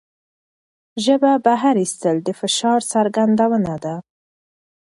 ژبه بهر ایستل د فشار څرګندونه ده.